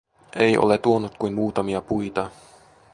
Ei ole tuonut kuin muutamia puita.